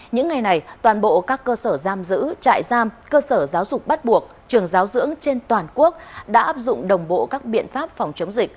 những ngày này toàn bộ các cơ sở giam giữ trại giam cơ sở giáo dục bắt buộc trường giáo dưỡng trên toàn quốc đã áp dụng đồng bộ các biện pháp phòng chống dịch